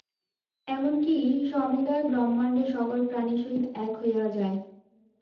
এমন কি সমুদয় ব্রহ্মাণ্ড সকল প্রাণীর সহিত এক হইয়া যায়।